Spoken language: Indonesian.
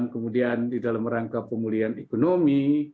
kemudian di dalam rangka pemulihan ekonomi